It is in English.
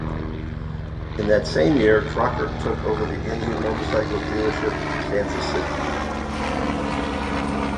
In that same year, Crocker took over the Indian motorcycle dealership in Kansas City.